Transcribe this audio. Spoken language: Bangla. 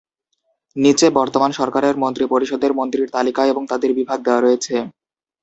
নীচে বর্তমান সরকারের মন্ত্রিপরিষদের মন্ত্রীর তালিকা এবং তাদের বিভাগ দেওয়া রয়েছে।